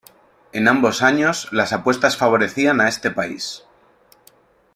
En ambos años, las apuestas favorecían a este país.